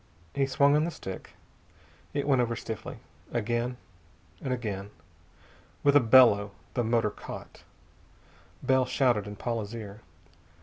He swung on the stick. It went over stiffly. Again, and again. With a bellow, the motor caught. Bell shouted in Paula's ear.